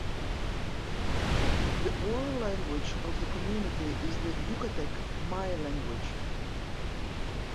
The oral language of the community is the Yucatec Maya language.